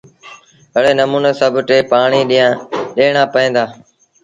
ايڙي نموٚني سڀ ٽي پآڻيٚ ڏيڻآݩ پئيٚن دآ۔